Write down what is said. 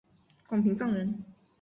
广平酂人。